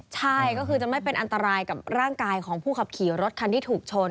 ใช่ก็คือจะไม่เป็นอันตรายกับร่างกายของผู้ขับขี่รถคันที่ถูกชน